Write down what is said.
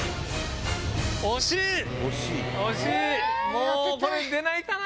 もうこれ出ないかな。